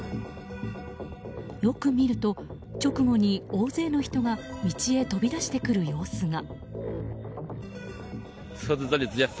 よく見ると、直後に大勢の人が道へ飛び出してくる様子が。